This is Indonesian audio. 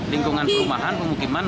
lingkungan perumahan pemukiman